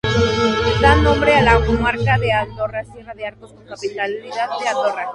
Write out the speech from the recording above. Da nombre a la comarca de Andorra-Sierra de Arcos, con capitalidad en Andorra.